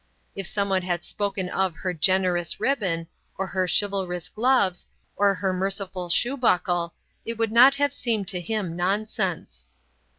If someone had spoken of "her generous ribbon" or "her chivalrous gloves" or "her merciful shoe buckle," it would not have seemed to him nonsense.